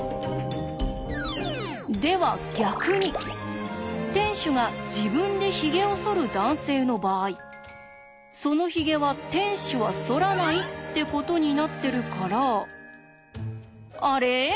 では逆に店主が自分でヒゲをそる男性の場合そのヒゲは店主はそらないってことになってるからあれ？